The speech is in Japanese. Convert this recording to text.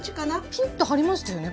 ピンッと張りましたよね